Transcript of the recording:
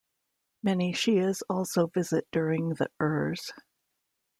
Many Shias also visit during the urs.